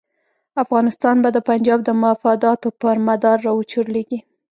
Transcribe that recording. افغانستان به د پنجاب د مفاداتو پر مدار را وچورلېږي.